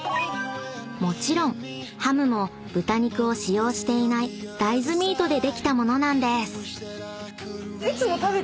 ［もちろんハムも豚肉を使用していない大豆ミートでできたものなんです］